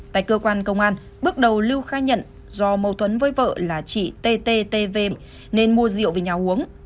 tại cơ quan công an bước đầu lưu khai nhận do mâu thuẫn với vợ là chị ttv nên mua rượu về nhà uống